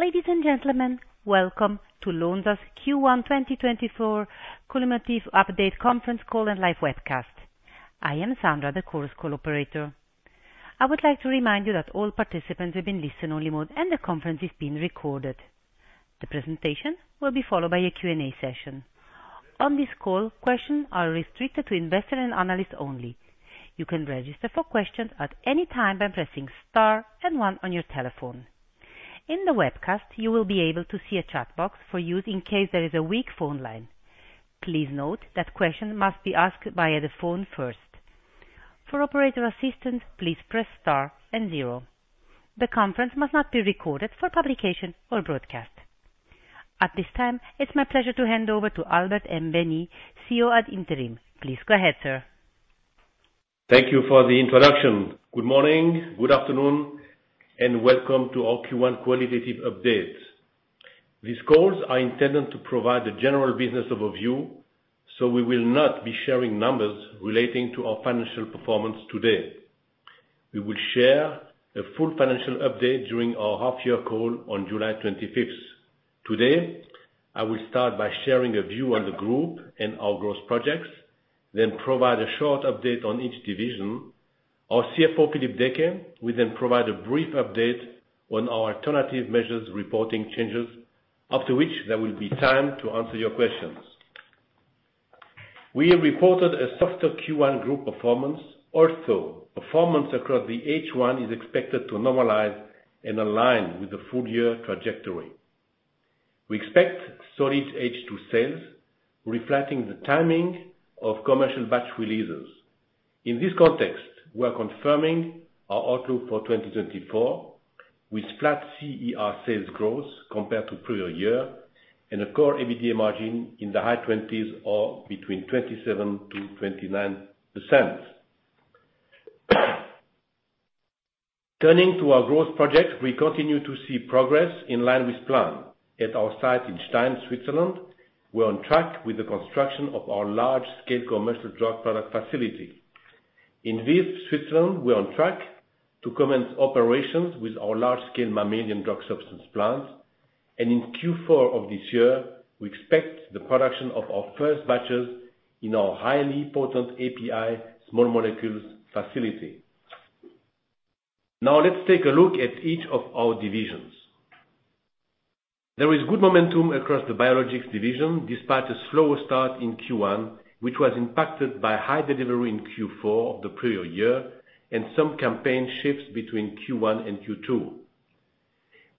Ladies and gentlemen, welcome to Lonza's Q1 2024 Cumulative Update Conference Call and Live Webcast. I am Sandra, the Chorus operator. I would like to remind you that all participants will be in listen-only mode and the conference is being recorded. The presentation will be followed by a Q&A session. On this call, questions are restricted to investor and analyst only. You can register for questions at any time by pressing star and one on your telephone. In the webcast, you will be able to see a chat box for use in case there is a weak phone line. Please note that questions must be asked via the phone first. For operator assistance, please press star and zero. The conference must not be recorded for publication or broadcast. At this time, it's my pleasure to hand over to Albert M. Baehny, CEO ad interim. Please go ahead, sir. Thank you for the introduction. Good morning, good afternoon, and welcome to our Q1 Qualitative Update. These calls are intended to provide a general business overview, so we will not be sharing numbers relating to our financial performance today. We will share a full financial update during our half-year call on July 25th. Today, I will start by sharing a view on the group and our growth projects, then provide a short update on each division. Our CFO, Philippe Deecke, will then provide a brief update on our alternative measures reporting changes, after which there will be time to answer your questions. We reported a softer Q1 group performance, although performance across the H1 is expected to normalize and align with the full-year trajectory. We expect solid H2 sales, reflecting the timing of commercial batch releases. In this context, we are confirming our outlook for 2024 with flat CER sales growth compared to the previous year and a core EBITDA margin in the high 20s or 27%-29%. Turning to our growth project, we continue to see progress in line with plan. At our site in Stein, Switzerland, we're on track with the construction of our large-scale commercial drug product facility. In Visp, Switzerland, we're on track to commence operations with our large-scale Mammalian drug substance plant. And in Q4 of this year, we expect the production of our first batches in our highly potent API small molecules facility. Now, let's take a look at each of our divisions. There is good momentum across the Biologics division, despite a slower start in Q1, which was impacted by high delivery in Q4 of the previous year and some campaign shifts between Q1 and Q2.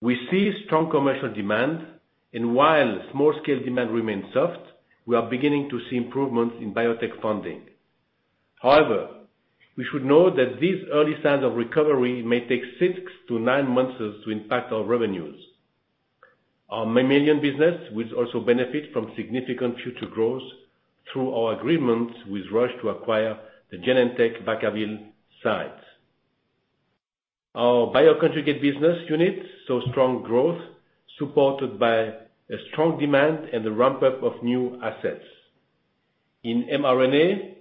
We see strong commercial demand, and while small-scale demand remains soft, we are beginning to see improvements in biotech funding. However, we should note that these early signs of recovery may take 6-9 months to impact our revenues. Our Mammalian business will also benefit from significant future growth through our agreement with Roche to acquire the Genentech Vacaville site. Our Bioconjugate business unit saw strong growth supported by a strong demand and the ramp-up of new assets. In mRNA,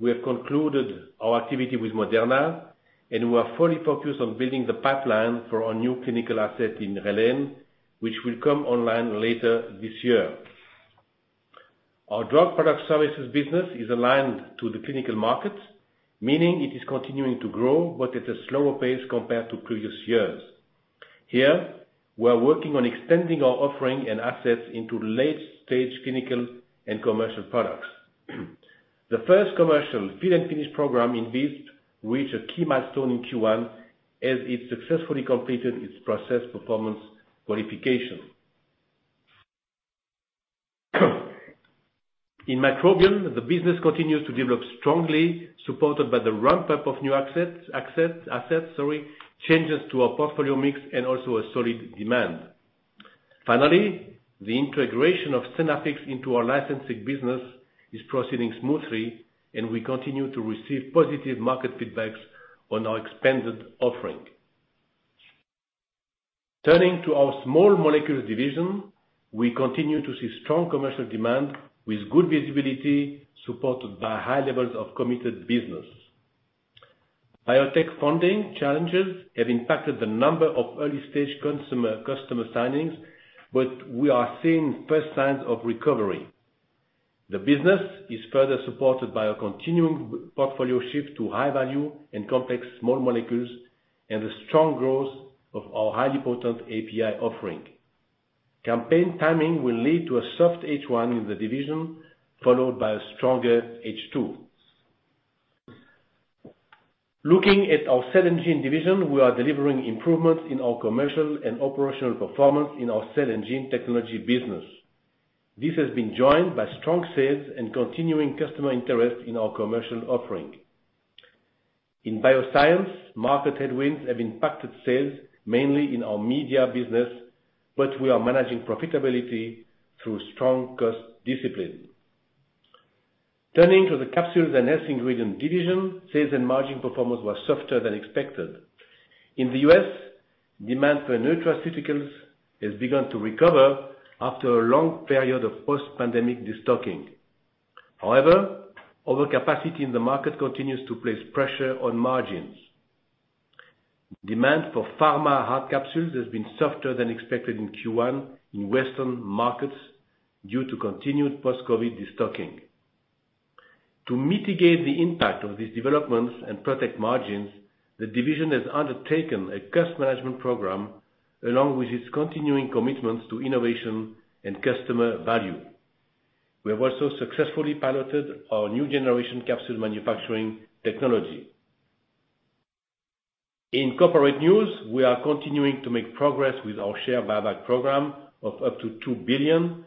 we have concluded our activity with Moderna, and we are fully focused on building the pipeline for our new clinical asset in Geleen, which will come online later this year. Our Drug [roduct Services business is aligned to the clinical market, meaning it is continuing to grow but at a slower pace compared to previous years. Here, we are working on extending our offering and assets into late-stage clinical and commercial products. The first commercial fill-and-finish program in Visp reached a key milestone in Q1 as it successfully completed its Process Performance Qualification. In Microbiome, the business continues to develop strongly, supported by the ramp-up of new assets, changes to our portfolio mix, and also a solid demand. Finally, the integration of Synaffix into our Licensing business is proceeding smoothly, and we continue to receive positive market feedbacks on our expanded offering. Turning to our Small Molecules division, we continue to see strong commercial demand with good visibility supported by high levels of committed business. Biotech funding challenges have impacted the number of early-stage customer signings, but we are seeing first signs of recovery. The business is further supported by a continuing portfolio shift to high-value and complex small molecules and the strong growth of our highly potent API offering. Campaign timing will lead to a soft H1 in the division, followed by a stronger H2. Looking at our Cell and Gene division, we are delivering improvements in our commercial and operational performance in our Cell and Gene technology business. This has been joined by strong sales and continuing customer interest in our commercial offering. In Bioscience, market headwinds have impacted sales, mainly in our media business, but we are managing profitability through strong cost discipline. Turning to the Capsules and Health Ingredients division, sales and margin performance were softer than expected. In the U.S., demand for nutraceuticals has begun to recover after a long period of post-pandemic destocking. However, overcapacity in the market continues to place pressure on margins. Demand for pharma hard capsules has been softer than expected in Q1 in Western markets due to continued post-COVID destocking. To mitigate the impact of these developments and protect margins, the division has undertaken a cost management program along with its continuing commitments to innovation and customer value. We have also successfully piloted our new generation capsule manufacturing technology. In corporate news, we are continuing to make progress with our share buyback program of up to 2 billion,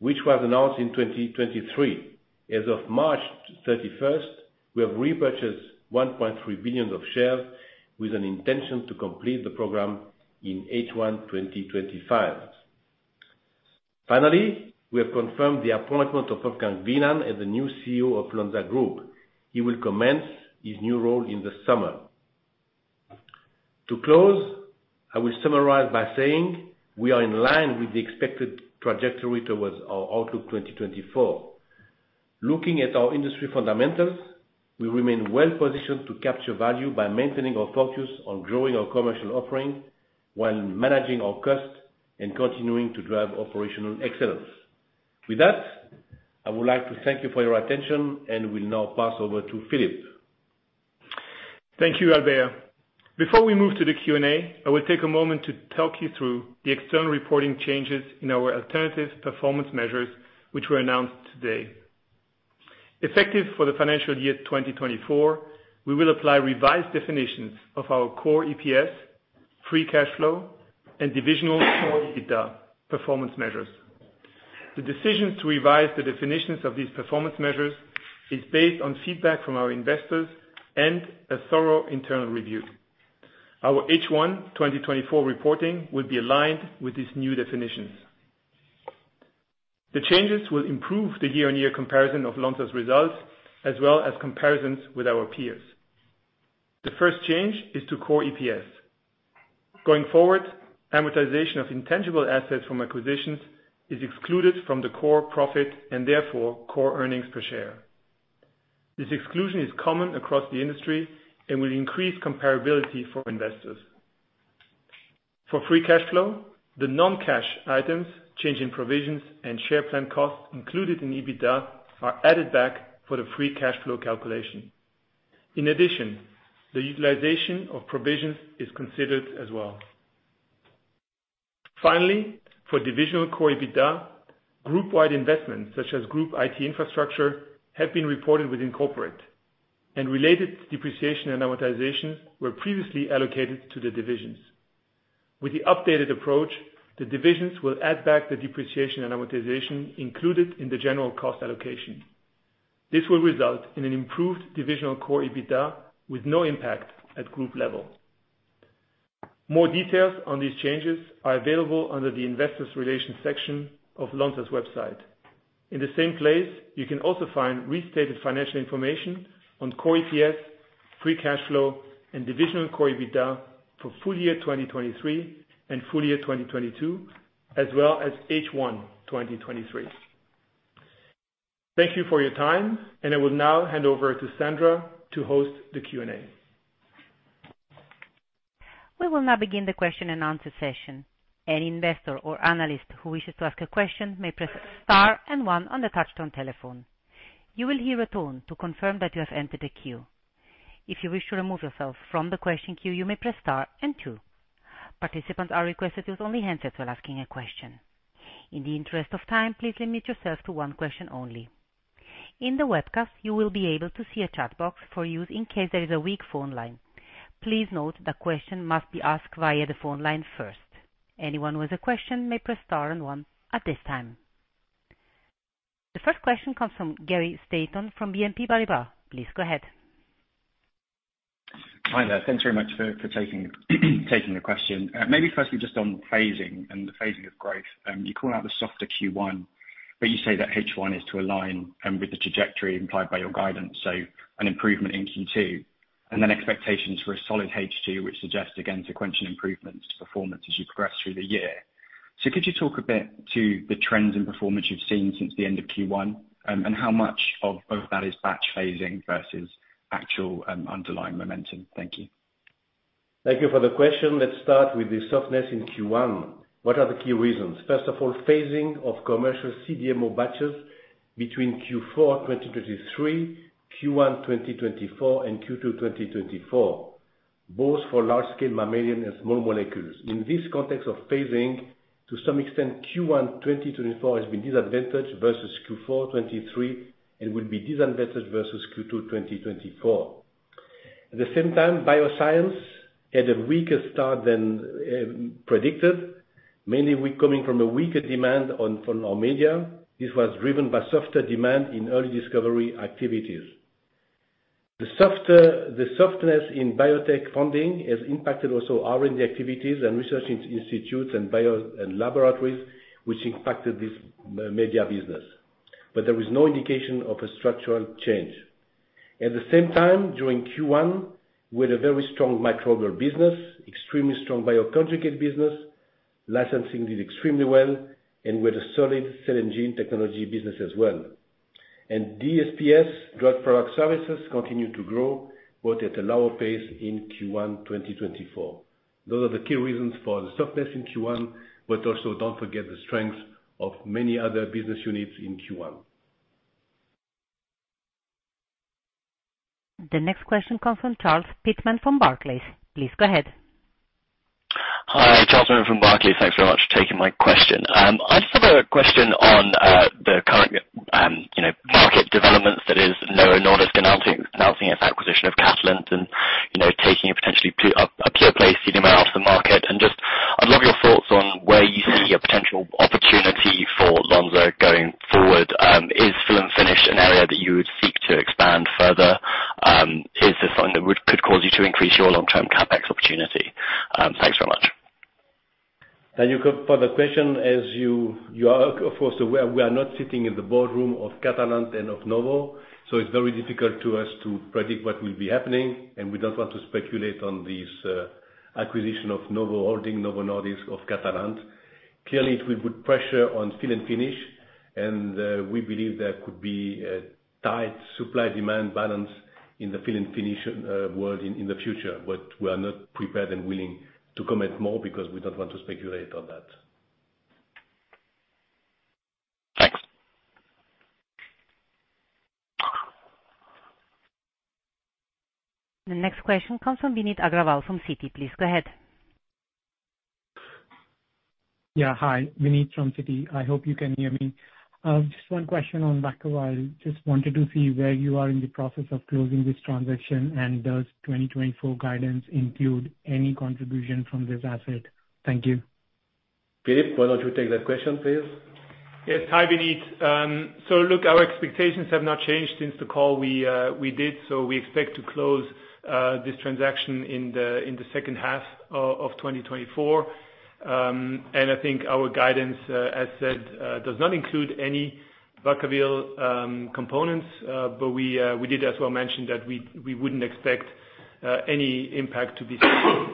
which was announced in 2023. As of March 31st, we have repurchased 1.3 billion of shares with an intention to complete the program in H1 2025. Finally, we have confirmed the appointment of Wolfgang Wienand as the new CEO of Lonza Group. He will commence his new role in the summer. To close, I will summarize by saying we are in line with the expected trajectory towards our outlook 2024. Looking at our industry fundamentals, we remain well positioned to capture value by maintaining our focus on growing our commercial offering while managing our costs and continuing to drive operational excellence. With that, I would like to thank you for your attention, and we'll now pass over to Philippe. Thank you, Albert. Before we move to the Q&A, I will take a moment to talk you through the external reporting changes in our alternative performance measures, which were announced today. Effective for the financial year 2024, we will apply revised definitions of our Core EPS, Free Cash Flow, and divisional Core EBITDA performance measures. The decision to revise the definitions of these performance measures is based on feedback from our investors and a thorough internal review. Our H1 2024 reporting will be aligned with these new definitions. The changes will improve the year-over-year comparison of Lonza's results as well as comparisons with our peers. The first change is to Core EPS. Going forward, amortization of intangible assets from acquisitions is excluded from the core profit and, therefore, core earnings per share. This exclusion is common across the industry and will increase comparability for investors. For free cash flow, the non-cash items, change in provisions, and share plan costs included in EBITDA are added back for the free cash flow calculation. In addition, the utilization of provisions is considered as well. Finally, for divisional core EBITDA, group-wide investments such as group IT infrastructure have been reported within corporate, and related depreciation and amortizations were previously allocated to the divisions. With the updated approach, the divisions will add back the depreciation and amortization included in the general cost allocation. This will result in an improved divisional core EBITDA with no impact at group level. More details on these changes are available under the Investor Relations section of Lonza's website. In the same place, you can also find restated financial information on core EPS, free cash flow, and divisional core EBITDA for full year 2023 and full year 2022, as well as H1 2023. Thank you for your time, and I will now hand over to Sandra to host the Q&A. We will now begin the question-and-answer session. Any investor or analyst who wishes to ask a question may press star and one on the touch-tone telephone. You will hear a tone to confirm that you have entered the queue. If you wish to remove yourself from the question queue, you may press star and two. Participants are requested to use only handsets while asking a question. In the interest of time, please limit yourself to one question only. In the webcast, you will be able to see a chat box for use in case there is a weak phone line. Please note that questions must be asked via the phone line first. Anyone who has a question may press star and one at this time. The first question comes from Gary Steventon from BNP Paribas. Please go ahead. Hi there. Thanks very much for taking the question. Maybe firstly just on phasing and the phasing of growth. You call out the softer Q1, but you say that H1 is to align with the trajectory implied by your guidance, so an improvement in Q2, and then expectations for a solid H2, which suggests, again, sequential improvements to performance as you progress through the year. So could you talk a bit to the trends in performance you've seen since the end of Q1 and how much of that is batch phasing versus actual underlying momentum? Thank you. Thank you for the question. Let's start with the softness in Q1. What are the key reasons? First of all, phasing of commercial CDMO batches between Q4 2023, Q1 2024, and Q2 2024, both for large-scale Mammalian and Small Molecules. In this context of phasing, to some extent, Q1 2024 has been disadvantaged versus Q4 2023 and will be disadvantaged versus Q2 2024. At the same time, Bioscience had a weaker start than predicted, mainly coming from a weaker demand from our media. This was driven by softer demand in early discovery activities. The softness in biotech funding has impacted also R&D activities and research institutes and laboratories, which impacted this media business, but there was no indication of a structural change. At the same time, during Q1, we had a very strong Microbial business, extremely strong Bioconjugates business, licensing did extremely well, and we had a solid Cell and Gene technology business as well. DPS, Drug Product Services, continued to grow but at a lower pace in Q1 2024. Those are the key reasons for the softness in Q1, but also don't forget the strengths of many other business units in Q1. The next question comes from Charles Pitman from Barclays. Please go ahead. Hi, Charles Pitman from Barclays. Thanks very much for taking my question. I just have a question on the current market developments that is Novo Nordisk announcing its acquisition of Catalent and taking potentially a pure-play CDMO out of the market. Just I'd love your thoughts on where you see a potential opportunity for Lonza going forward. Is fill-and-finish an area that you would seek to expand further? Is this something that could cause you to increase your long-term CapEx opportunity? Thanks very much. Thank you for the question. As you are, of course, we are not sitting in the boardroom of Catalent and of Novo, so it's very difficult to us to predict what will be happening, and we don't want to speculate on this acquisition of Novo Holdings, Novo Nordisk, of Catalent. Clearly, it will put pressure on fill-and-finish, and we believe there could be a tight supply-demand balance in the fill-and-finish world in the future, but we are not prepared and willing to commit more because we don't want to speculate on that. Thanks. The next question comes from Vineet Agrawal from Citi. Please go ahead. Yeah. Hi, Vineet from Citi. I hope you can hear me. Just one question on Vacaville. Just wanted to see where you are in the process of closing this transaction, and does 2024 guidance include any contribution from this asset? Thank you. Philippe, why don't you take that question, please? Yes. Hi, Vineet. So look, our expectations have not changed since the call we did, so we expect to close this transaction in the second half of 2024. I think our guidance, as said, does not include any Vacaville components, but we did as well mention that we wouldn't expect any impact to be seen.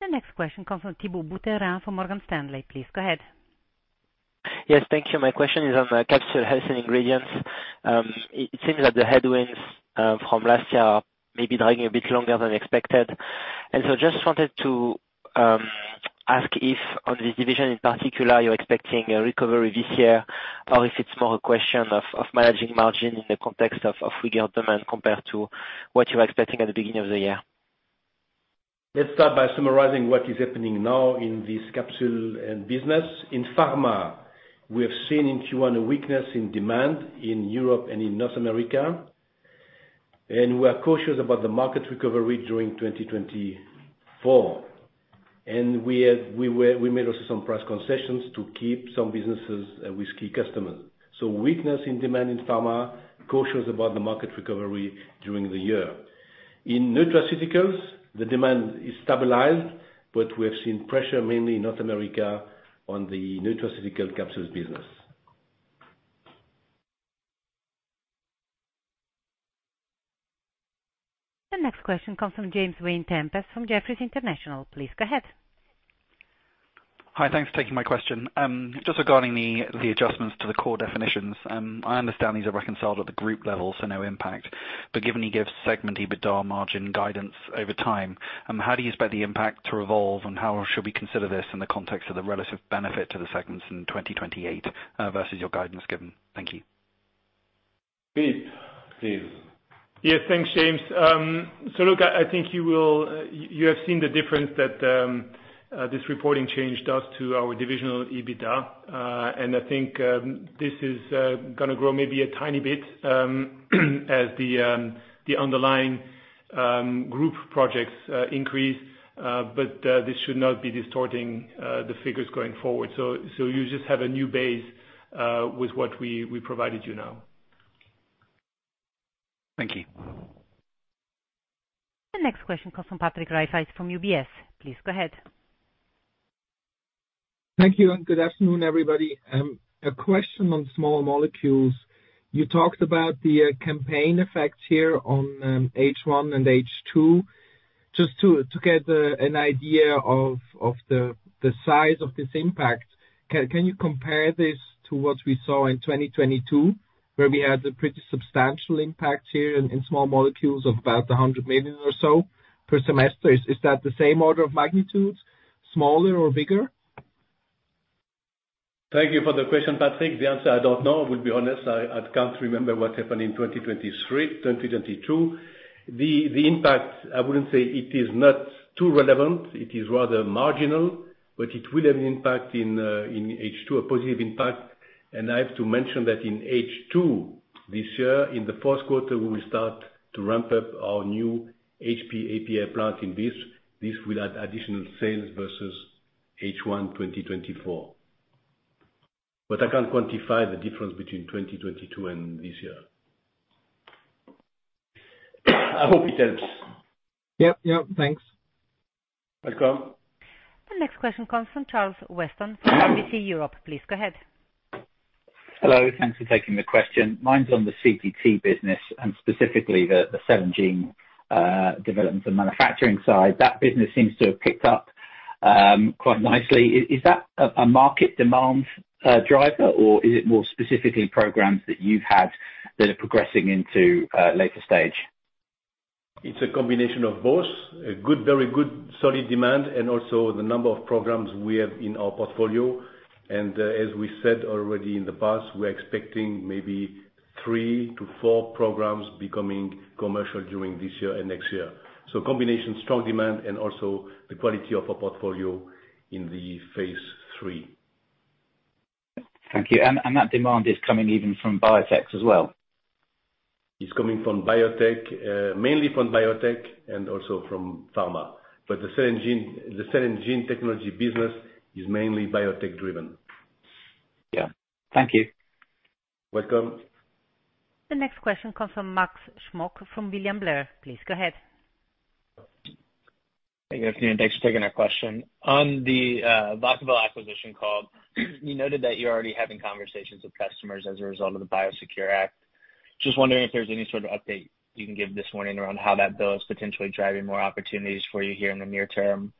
The next question comes from Thibault Boutherin from Morgan Stanley. Please go ahead. Yes. Thank you. My question is on Capsules and Health Ingredients. It seems that the headwinds from last year are maybe dragging a bit longer than expected. And so I just wanted to ask if, on this division in particular, you're expecting a recovery this year or if it's more a question of managing margin in the context of weaker demand compared to what you were expecting at the beginning of the year? Let's start by summarizing what is happening now in this capsule business. In pharma, we have seen in Q1 a weakness in demand in Europe and in North America, and we are cautious about the market recovery during 2024. We made also some price concessions to keep some businesses with key customers. So weakness in demand in pharma, cautious about the market recovery during the year. In nutraceuticals, the demand is stabilized, but we have seen pressure mainly in North America on the nutraceutical capsules business. The next question comes from James Vane-Tempest from Jefferies International. Please go ahead. Hi. Thanks for taking my question. Just regarding the adjustments to the core definitions, I understand these are reconciled at the group level, so no impact, but given he gives segment EBITDA margin guidance over time, how do you expect the impact to evolve, and how should we consider this in the context of the relative benefit to the segments in 2028 versus your guidance given? Thank you. Philippe, please. Yes. Thanks, James. So look, I think you have seen the difference that this reporting change does to our divisional EBITDA, and I think this is going to grow maybe a tiny bit as the underlying group projects increase, but this should not be distorting the figures going forward. So you just have a new base with what we provided you now. Thank you. The next question comes from Patrick Rafaisz from UBS. Please go ahead. Thank you, and good afternoon, everybody. A question on small molecules. You talked about the campaign effects here on H1 and H2. Just to get an idea of the size of this impact, can you compare this to what we saw in 2022, where we had a pretty substantial impact here in small molecules of about 100 million or so per semester? Is that the same order of magnitude, smaller or bigger? Thank you for the question, Patrick. The answer, I don't know. I will be honest. I can't remember what happened in 2023, 2022. The impact, I wouldn't say it is not too relevant. It is rather marginal, but it will have an impact in H2, a positive impact. And I have to mention that in H2 this year, in the fourth quarter, we will start to ramp up our new HP API plant in Visp. This will add additional sales versus H1 2024, but I can't quantify the difference between 2022 and this year. I hope it helps. Yep. Yep. Thanks. Welcome. The next question comes from Charles Weston from RBC Europe. Please go ahead. Hello. Thanks for taking the question. Mine's on the CGT business and specifically the Cell and Gene development and manufacturing side. That business seems to have picked up quite nicely. Is that a market demand driver, or is it more specifically programs that you've had that are progressing into later stage? It's a combination of both, very good solid demand, and also the number of programs we have in our portfolio. As we said already in the past, we are expecting maybe three to four programs becoming commercial during this year and next year. Combination, strong demand, and also the quality of our portfolio in phase 3. Thank you. That demand is coming even from biotech as well? It's coming mainly from biotech and also from pharma, but the Cell and Gene technology business is mainly biotech-driven. Yeah. Thank you. Welcome. The next question comes from Max Smock from William Blair. Please go ahead. Hey. Good afternoon. Thanks for taking our question. On the Vacaville acquisition call, you noted that you're already having conversations with customers as a result of the Biosecure Act. Just wondering if there's any sort of update you can give this morning around how that bill is potentially driving more opportunities for you here in the near term.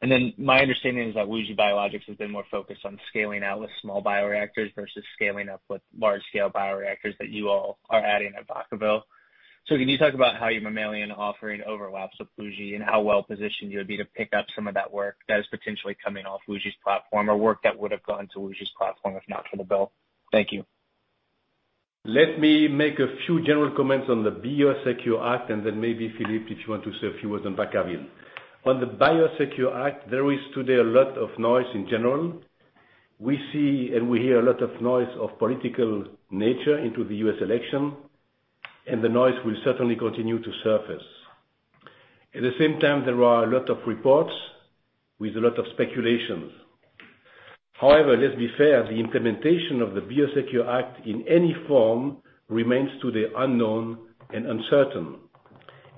And then my understanding is that WuXi Biologics has been more focused on scaling out with small bioreactors versus scaling up with large-scale bioreactors that you all are adding at Vacaville. So can you talk about how your mammalian offering overlaps with WuXi and how well positioned you would be to pick up some of that work that is potentially coming off WuXi's platform or work that would have gone to WuXi's platform if not for the bill? Thank you. Let me make a few general comments on the Biosecure Act, and then maybe, Philippe, if you want to say a few words on Vacaville. On the Biosecure Act, there is today a lot of noise in general. We see and we hear a lot of noise of political nature into the U.S. election, and the noise will certainly continue to surface. At the same time, there are a lot of reports with a lot of speculations. However, let's be fair, the implementation of the Biosecure Act in any form remains today unknown and uncertain.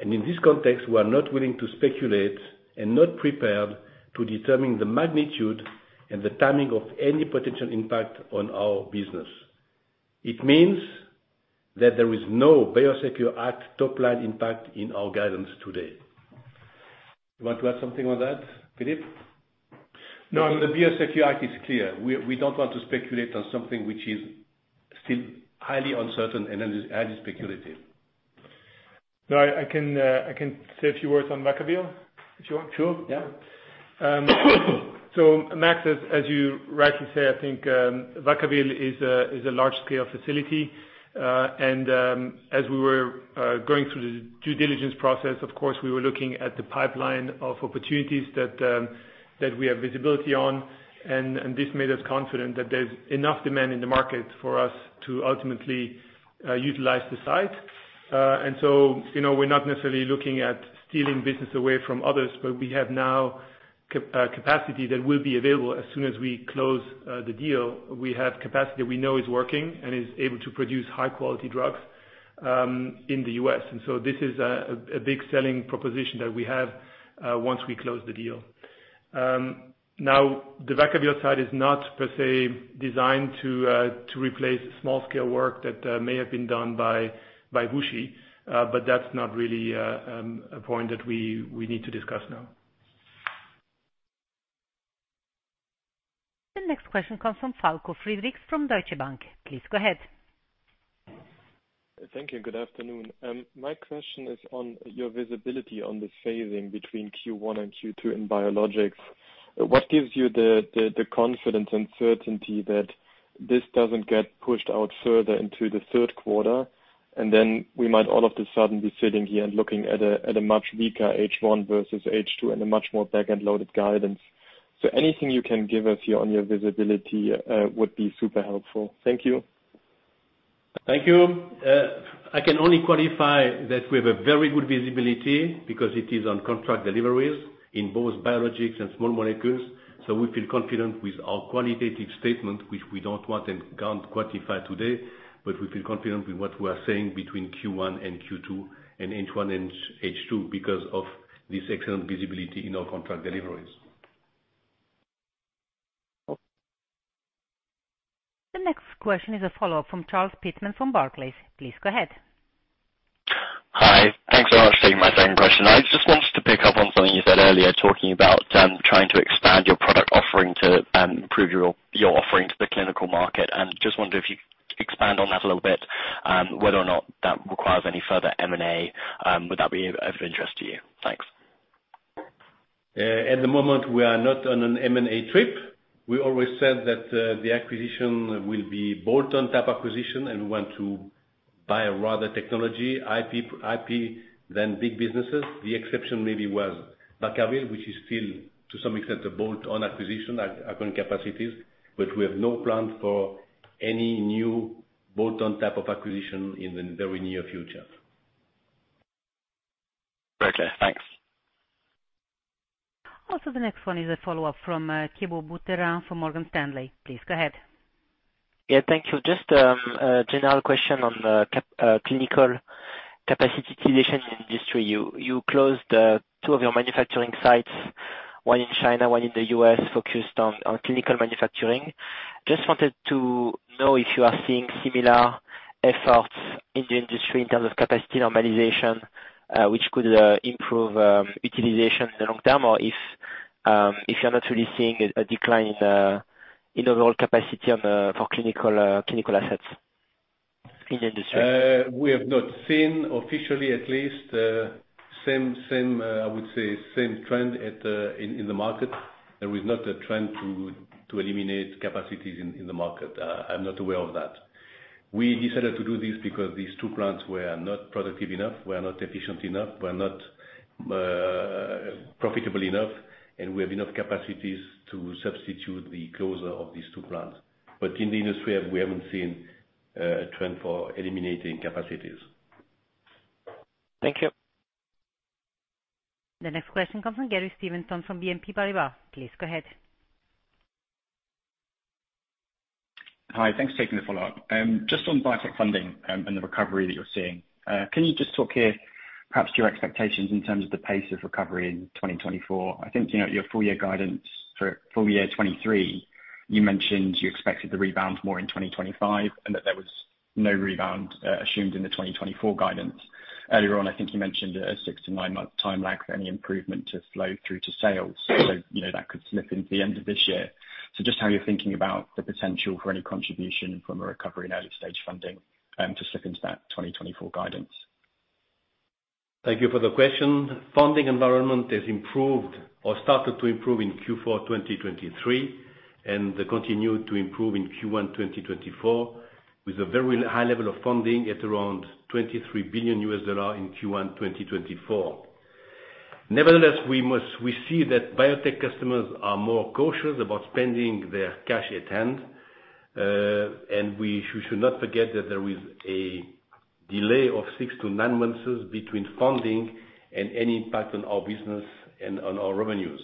In this context, we are not willing to speculate and not prepared to determine the magnitude and the timing of any potential impact on our business. It means that there is no Biosecure Act top-line impact in our guidance today. You want to add something on that, Philippe? No. I mean, the Biosecure Act is clear. We don't want to speculate on something which is still highly uncertain and highly speculative. No. I can say a few words on Vacaville if you want. Sure. Yeah. So Max, as you rightly say, I think Vacaville is a large-scale facility. And as we were going through the due diligence process, of course, we were looking at the pipeline of opportunities that we have visibility on, and this made us confident that there's enough demand in the market for us to ultimately utilize the site. And so we're not necessarily looking at stealing business away from others, but we have now capacity that will be available as soon as we close the deal. We have capacity that we know is working and is able to produce high-quality drugs in the U.S. And so this is a big selling proposition that we have once we close the deal. Now, the Vacaville site is not per se designed to replace small-scale work that may have been done by WuXi, but that's not really a point that we need to discuss now. The next question comes from Falko Friedrichs from Deutsche Bank. Please go ahead. Thank you. Good afternoon. My question is on your visibility on this phasing between Q1 and Q2 in Biologics. What gives you the confidence and certainty that this doesn't get pushed out further into the third quarter, and then we might all of a sudden be sitting here and looking at a much weaker H1 versus H2 and a much more back-end loaded guidance? So anything you can give us here on your visibility would be super helpful. Thank you. Thank you. I can only qualify that we have a very good visibility because it is on contract deliveries in both Biologics and small molecules. So we feel confident with our qualitative statement, which we don't want and can't quantify today, but we feel confident with what we are saying between Q1 and Q2 and H1 and H2 because of this excellent visibility in our contract deliveries. The next question is a follow-up from Charles Pitman from Barclays. Please go ahead. Hi. Thanks so much for taking my second question. I just wanted to pick up on something you said earlier talking about trying to expand your product offering to improve your offering to the clinical market. Just wondered if you could expand on that a little bit, whether or not that requires any further M&A. Would that be of interest to you? Thanks. At the moment, we are not on an M&A trip. We always said that the acquisition will be bolt-on type acquisition, and we want to buy rather technology, IP, than big businesses. The exception maybe was Vacaville, which is still, to some extent, a bolt-on acquisition according to capacities, but we have no plan for any new bolt-on type of acquisition in the very near future. Okay. Thanks. Also, the next one is a follow-up from Thibault Boutherin from Morgan Stanley. Please go ahead. Yeah. Thank you. Just a general question on clinical capacitization in the industry. You closed two of your manufacturing sites, one in China, one in the U.S., focused on clinical manufacturing. Just wanted to know if you are seeing similar efforts in the industry in terms of capacity normalization, which could improve utilization in the long term, or if you're not really seeing a decline in overall capacity for clinical assets in the industry? We have not seen officially, at least, same, I would say, same trend in the market. There is not a trend to eliminate capacities in the market. I'm not aware of that. We decided to do this because these two plants were not productive enough, were not efficient enough, were not profitable enough, and we have enough capacities to substitute the closure of these two plants. But in the industry, we haven't seen a trend for eliminating capacities. Thank you. The next question comes from Gary Steventon from BNP Paribas. Please go ahead. Hi. Thanks for taking the follow-up. Just on biotech funding and the recovery that you're seeing, can you just talk here, perhaps, to your expectations in terms of the pace of recovery in 2024? I think your full-year guidance for full-year 2023, you mentioned you expected the rebound more in 2025 and that there was no rebound assumed in the 2024 guidance. Earlier on, I think you mentioned a 6-9-month time lag for any improvement to flow through to sales. So that could slip into the end of this year. So just how you're thinking about the potential for any contribution from a recovery in early-stage funding to slip into that 2024 guidance. Thank you for the question. Funding environment has improved or started to improve in Q4 2023 and continued to improve in Q1 2024 with a very high level of funding at around $23 billion in Q1 2024. Nevertheless, we see that biotech customers are more cautious about spending their cash at hand, and we should not forget that there is a delay of six to nine months between funding and any impact on our business and on our revenues.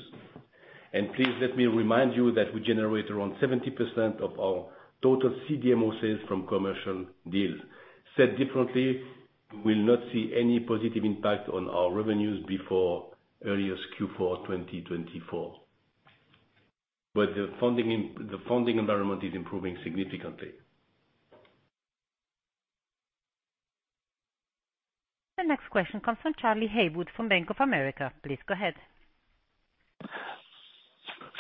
Please let me remind you that we generate around 70% of our total CDMO sales from commercial deals. Said differently, we will not see any positive impact on our revenues before earliest Q4 2024, but the funding environment is improving significantly. The next question comes from Charlie Haywood from Bank of America. Please go ahead.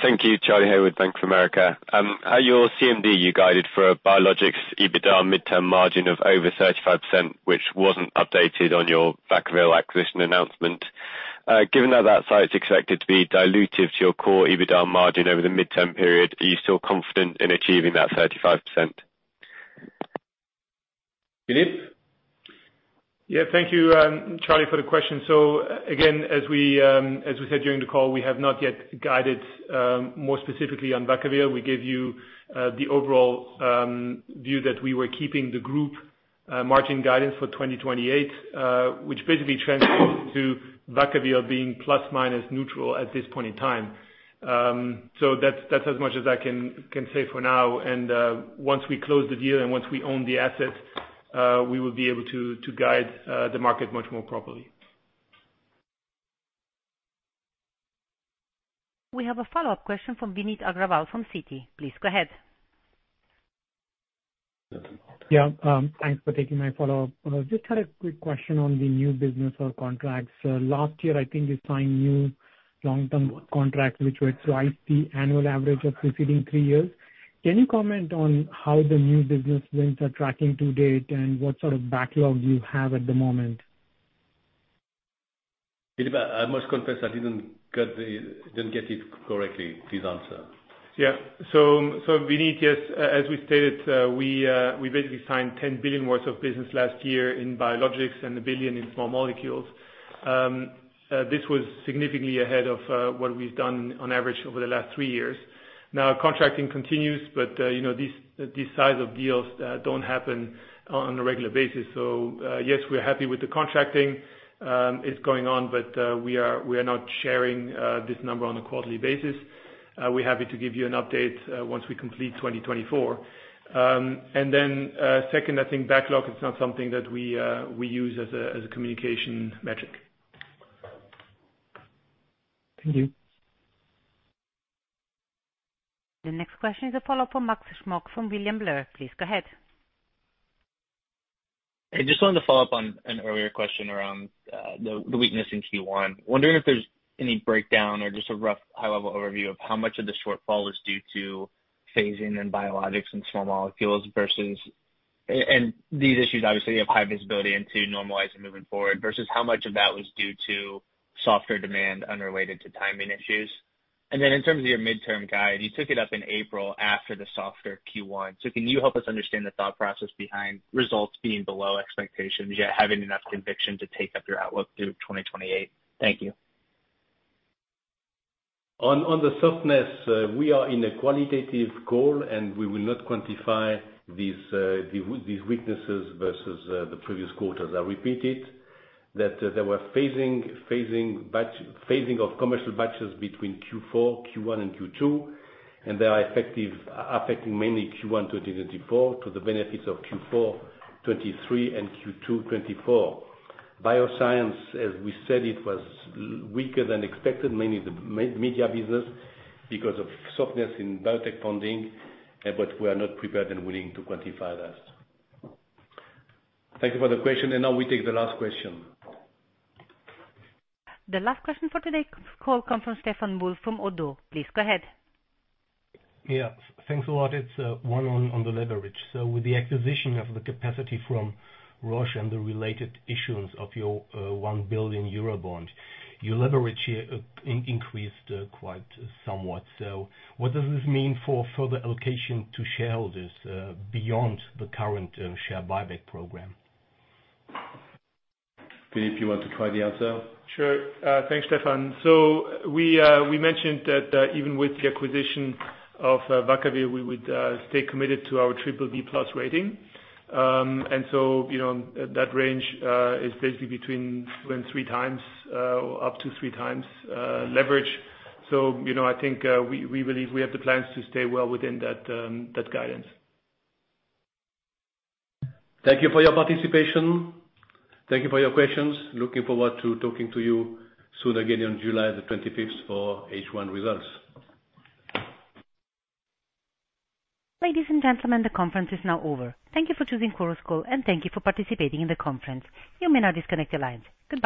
Thank you, Charlie Haywood, Bank of America. At your CMD, you guided for a Biologics EBITDA mid-term margin of over 35%, which wasn't updated on your Vacaville acquisition announcement. Given that that site's expected to be diluted to your core EBITDA margin over the mid-term period, are you still confident in achieving that 35%? Philippe? Yeah. Thank you, Charlie, for the question. So again, as we said during the call, we have not yet guided more specifically on Vacaville. We gave you the overall view that we were keeping the group margin guidance for 2028, which basically translates to Vacaville being plus-minus neutral at this point in time. So that's as much as I can say for now. And once we close the deal and once we own the assets, we will be able to guide the market much more properly. We have a follow-up question from Vineet Agrawal from Citi. Please go ahead. Yeah. Thanks for taking my follow-up. Just had a quick question on the new business or contracts. Last year, I think you signed new long-term contracts, which were twice the annual average of preceding three years. Can you comment on how the new business winds are tracking to date and what sort of backlog you have at the moment? I must confess, I didn't get it correctly, this answer. Yeah. So Vineet, yes, as we stated, we basically signed 10 billion worth of business last year in Biologics and 1 billion in small molecules. This was significantly ahead of what we've done on average over the last three years. Now, contracting continues, but these size of deals don't happen on a regular basis. So yes, we're happy with the contracting. It's going on, but we are not sharing this number on a quarterly basis. We're happy to give you an update once we complete 2024. And then second, I think backlog, it's not something that we use as a communication metric. Thank you. The next question is a follow-up from Max Smock from William Blair. Please go ahead. Hey. Just wanted to follow up on an earlier question around the weakness in Q1. Wondering if there's any breakdown or just a rough high-level overview of how much of the shortfall is due to phasing in Biologics and small molecules versus and these issues, obviously, you have high visibility into normalizing moving forward versus how much of that was due to softer demand unrelated to timing issues. And then in terms of your mid-term guide, you took it up in April after the softer Q1. So can you help us understand the thought process behind results being below expectations, yet having enough conviction to take up your outlook through 2028? Thank you. On the softness, we are in a qualitative goal, and we will not quantify these weaknesses versus the previous quarters. I repeat it, that there were phasing of commercial batches between Q4, Q1, and Q2, and they are affecting mainly Q1 2024 to the benefits of Q4 2023 and Q2 2024. Bioscience, as we said, it was weaker than expected, mainly the media business because of softness in biotech funding, but we are not prepared and willing to quantify that. Thank you for the question. And now we take the last question. The last question for today's call comes from Stephan Wulf from ODDO. Please go ahead. Yeah. Thanks a lot. It's one on the leverage. So with the acquisition of the capacity from Roche and the related issuance of your 1 billion euro bond, your leverage here increased quite somewhat. So what does this mean for further allocation to shareholders beyond the current share buyback program? Philippe, you want to try the answer? Sure. Thanks, Stephan. So we mentioned that even with the acquisition of Vacaville, we would stay committed to our triple B-plus rating. And so that range is basically between two and three times, up to three times leverage. So I think we believe we have the plans to stay well within that guidance. Thank you for your participation. Thank you for your questions. Looking forward to talking to you soon again on July the 25th for H1 results. Ladies and gentlemen, the conference is now over. Thank you for choosing Chorus Call, and thank you for participating in the conference. You may now disconnect your lines. Goodbye.